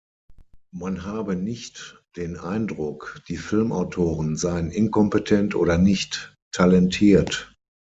Man habe nicht den Eindruck, die Filmautoren seien inkompetent oder nicht talentiert.